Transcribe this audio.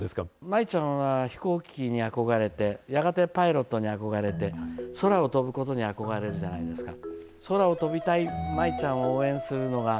舞ちゃんは飛行機に憧れて、やがてパイロットに憧れて、空を飛ぶことに憧れるじゃないですか。